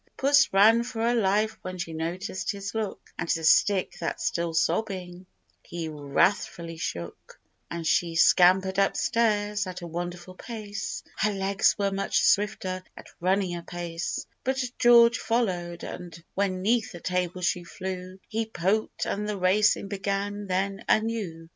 Puss ran for her life when she noticed his look, And the stick, that still sobbing, he wrathfully shook, And she scampered up stairs at a wonderful pace ; Her legs were much swifter at running a race ; But George followed, and when 'neath a table she flew, He poked — and the racing began then anew.